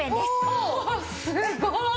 おおすごい！